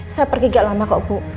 saya pergi gak lama kok bu